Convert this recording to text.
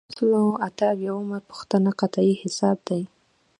یو سل او اته اویایمه پوښتنه قطعیه حساب دی.